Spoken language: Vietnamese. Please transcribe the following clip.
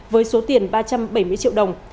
với số tiền ba trăm bảy mươi triệu đồng